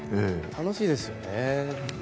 楽しいですよね。